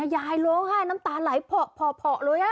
ยายโล่งไห้น้ำตาลายเพาะเลย